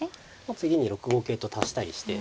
次に６五桂と足したりして。